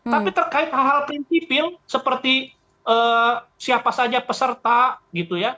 tapi terkait hal hal prinsipil seperti siapa saja peserta gitu ya